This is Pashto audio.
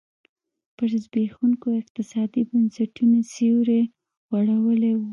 پر زبېښونکو اقتصادي بنسټونو سیوری غوړولی و.